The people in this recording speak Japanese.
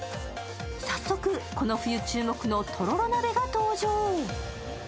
早速、この冬注目のとろろ鍋が登場。